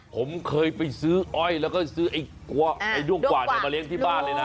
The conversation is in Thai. ผมเคยไปซื้ออ้อยแล้วก็ซื้อไอ้ด้วงกว่าเนี่ยมาเลี้ยงที่บ้านเลยนะ